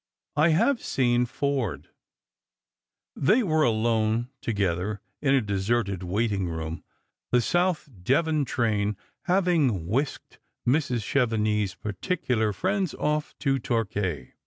I have seen Forde." They were alone together in a deserted waiting room ; the South Devon train having whisked Mrs. Chevenix's particular friends off to Torquay.